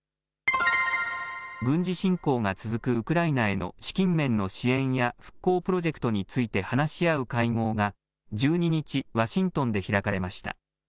軍事侵攻が続くウクライナへの資金面の支援や復興プロジェクトについて話し合う会合が１２日、ワシントンで開かれました。